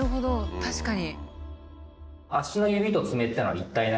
確かに。